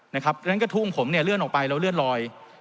ดังนั้นกระทู้ของผมเลื่อนออกไปแล้วเลื่อนลอย